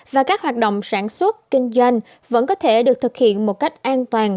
và các hoạt động sản xuất kinh doanh vẫn có thể được thực hiện một cách an toàn